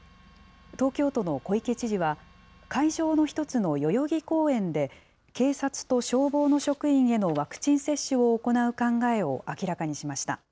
東京都の小池知事は、会場の一つの代々木公園で、警察と消防の職員へのワクチン接種を行う考えを明らかにしました。